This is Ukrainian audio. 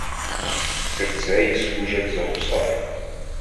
Цирцеї служать за гусар